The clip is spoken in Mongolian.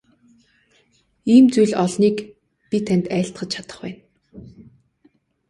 Ийм зүйл олныг би танд айлтгаж чадах байна.